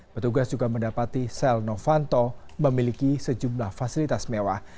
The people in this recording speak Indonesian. petugas juga mendapati sel novanto memiliki sejumlah fasilitas mewah